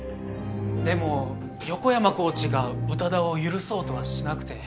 でも横山コーチが宇多田を許そうとはしなくて。